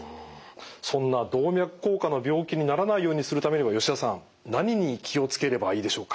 そんな動脈硬化の病気にならないようにするためには吉田さん何に気を付ければいいでしょうか？